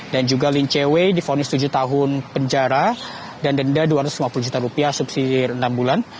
dan juga lincewe di vonis tujuh tahun penjara dan denda rp dua ratus lima puluh juta subsidi dari enam bulan